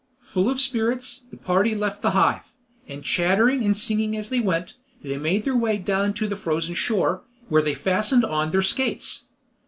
Full of spirits, the party left the Hive, and chattering and singing as they went, made their way down to the frozen shore, where they fastened on their skates.